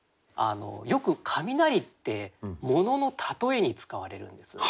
よく雷ってものの例えに使われるんです。